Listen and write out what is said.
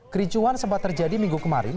kericuhan sempat terjadi minggu kemarin